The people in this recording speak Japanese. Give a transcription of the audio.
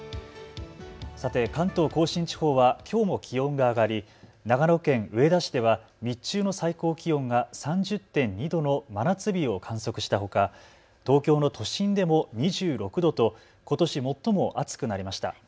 さて関東甲信地方はきょうも気温が上がり、長野県上田市では日中の最高気温が３０．２度の真夏日を観測したほか、東京の都心でも２６度とことし最も暑くなりました。